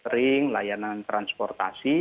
ketering layanan transportasi